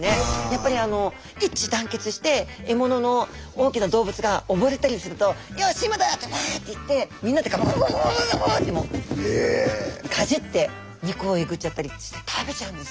やっぱり一致団結して獲物の大きな動物が溺れたりすると「よし今だ」ってわって行ってみんなでガブガブガブガブってもうかじって肉をえぐちゃったりして食べちゃうんですね。